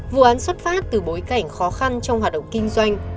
vụ án xuất phát từ bối cảnh khó khăn trong hoạt động kinh doanh